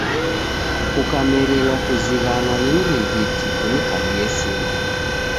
Kukamerelwa kuzighanwa ni mrighiti, kunikabie simu